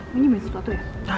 nge nyemes sesuatu ya